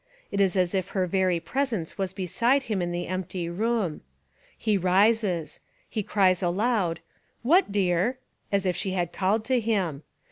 It is as if her very presence was beside him In the empty room. He rises. He cries aloud, "What, dear?" as If she had called to him.